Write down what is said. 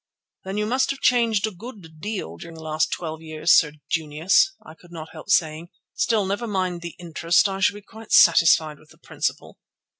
"Then you must have changed a good deal during the last twelve years, Sir Junius," I could not help saying. "Still, never mind the interest, I shall be quite satisfied with the principal."